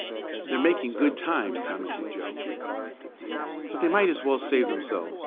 "They're making good time," commented Joe. "But they might as well save themselves.